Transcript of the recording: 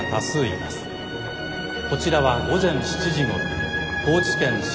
こちらは午前７時ごろ高知県潮